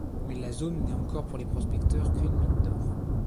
Mais la zone n’est encore pour les prospecteurs qu’une mine d’or.